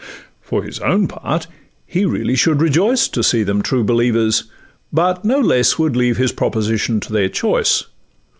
'For his own part, he really should rejoice To see them true believers, but no less Would leave his proposition to their choice.